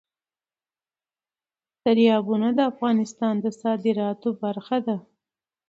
دریابونه د افغانستان د صادراتو برخه ده.